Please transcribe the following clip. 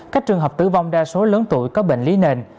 các trường hợp tử vong đa số lớn tuổi có bệnh lý nền